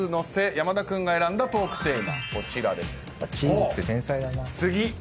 山田君が選んだトークテーマはこちらです。